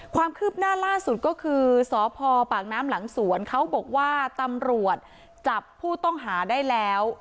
ความคืบหน้าล่าสุดก็คือสพปากน้ำหลังสวนเขาบอกว่าตำรวจจับผู้ต้องหาได้แล้ว